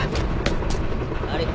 あれ？